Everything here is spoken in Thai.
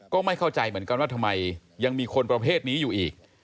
ก็ไม่เข้าใจเหมือนกันว่าทำไมยังมีคนประเภทนี้อยู่อีก